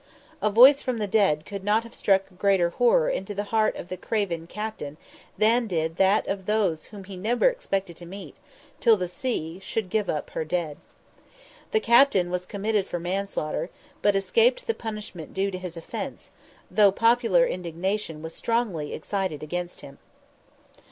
A voice from the dead could not have struck greater horror into the heart of the craven captain than did that of those whom he never expected to meet till the sea should give up her dead. The captain was committed for manslaughter, but escaped the punishment due to his offence, though popular indignation was strongly excited against him.